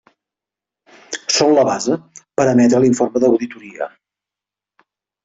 Són la base per emetre l'informe d'auditoria.